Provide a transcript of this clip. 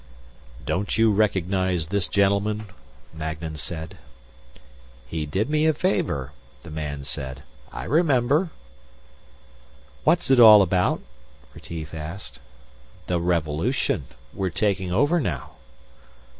"Don't you recognize this gentleman?" Magnan said. "He did me a favor," the man said. "I remember." "What's it all about?" Retief asked. "The revolution. We're taking over now."